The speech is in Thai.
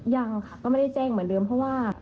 ยังค่ะก็ไม่ได้แจ้งเหมือนเดิมเพราะว่า